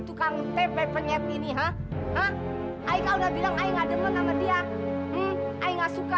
tukang tepe penyeti ini hah ayo kau udah bilang ayo nggak denger sama dia eh nggak suka